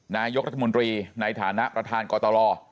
นายกรัฐมนตรีในฐานะประธานกตร